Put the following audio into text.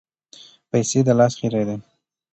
پیسې د لاس خیرې دي.